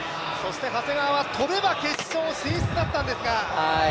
長谷川は跳べば決勝進出だったんですが。